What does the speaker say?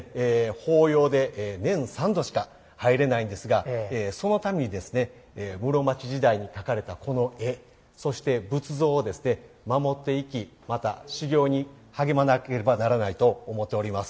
法要で年３度しか入れないんですがそのために室町時代に描かれたこの絵、そして仏像をですね守っていきまた、修行に励まなければならないと思っております。